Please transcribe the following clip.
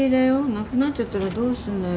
なくなっちゃったらどうすんのよ。